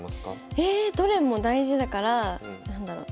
えどれも大事だから何だろう？